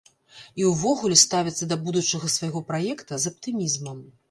І ўвогуле ставяцца да будучага свайго праекта з аптымізмам.